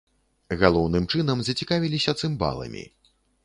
Галоўным чынам зацікавіліся цымбаламі.